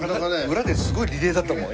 裏ですごいリレーだったもん